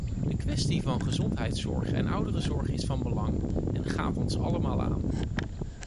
De kwestie van gezondheidszorg en ouderenzorg is van belang en gaat ons allemaal aan.